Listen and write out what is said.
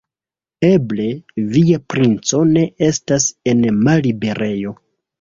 Eble, via princo ne estas en malliberejo.